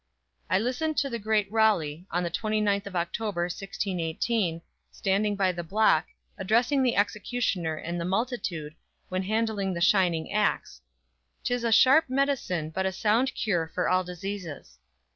I listened to the great Raleigh on the 29th of October, 1618, standing by the block, addressing the executioner and the multitude, when handling the shining axe: "This is a sharp medicine, but a sound cure for all diseases!"